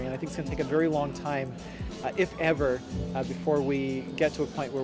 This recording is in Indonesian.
dan saya pikir akan membutuhkan waktu yang sangat panjang jika ada sebelum kita sampai di titik